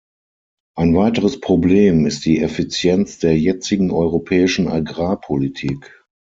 Ein weiteres Problem ist die Effizienz der jetzigen europäischen Agrarpolitik.